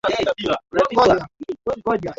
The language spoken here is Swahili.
kansella wa la ujerumani angela merkel